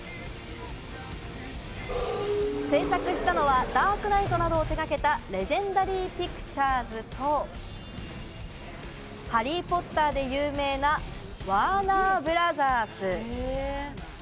制作したのは『ダークナイト』などを手がけたレジェンダリー・ピクチャーズと、『ハリー・ポッター』で有名なワーナー・ブラザース。